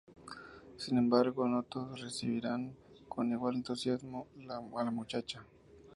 Sin embargo, no todos recibirán con igual entusiasmo a la muchacha.